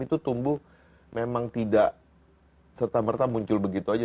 itu tumbuh memang tidak serta merta muncul begitu aja